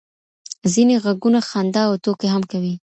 ځینې غږونه خندا او ټوکې هم کوي.